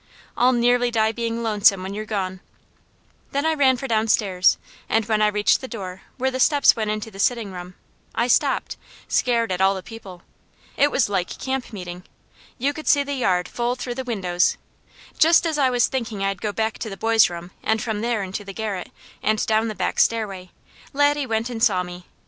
I'll nearly die being lonesome when you're gone " Then I ran for downstairs, and when I reached the door, where the steps went into the sitting room, I stopped, scared at all the people. It was like camp meeting. You could see the yard full through the windows. Just as I was thinking I'd go back to the boys' room, and from there into the garret, and down the back stairway, Laddie went and saw me.